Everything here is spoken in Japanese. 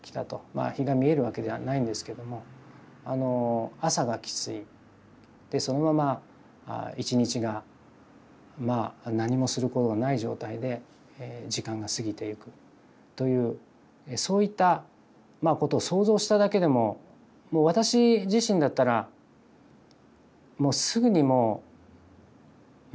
日が見えるわけではないんですけども朝がきつい。でそのまま一日が何もすることがない状態で時間が過ぎていくというそういったことを想像しただけでももう私自身だったらもうすぐにもう参ってしまうと思います。